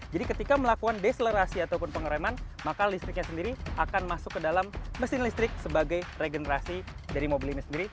jadi ketika melakukan deselerasi ataupun pengereman maka listriknya sendiri akan masuk ke dalam mesin listrik sebagai regenerasi dari mobil ini sendiri